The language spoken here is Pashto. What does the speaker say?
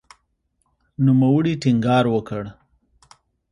نوموړي ټینګار وکړ